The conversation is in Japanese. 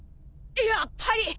やっぱり！